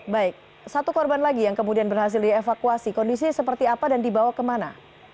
baik satu korban lagi yang kemudian berhasil dievakuasi kondisi seperti apa dan dibawa kemana